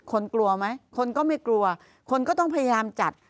กลัวไหมคนก็ไม่กลัวคนก็ต้องพยายามจัด